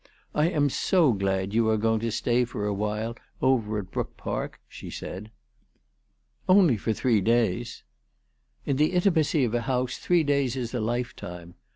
" I am so glad you are going to stay for awhile over at Brook Park," she said. " Only for three days." " In the intimacy of a house three days is a lifetime.